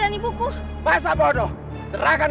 panggil aku rani